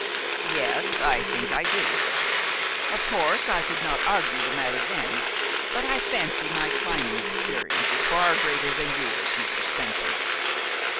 "Yes, I think I do. Of course, I could not argue the matter then, but I fancy my climbing experience is far greater than yours, Mr. Spencer."